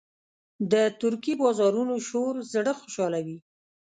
د ترکي بازارونو شور زړه خوشحالوي.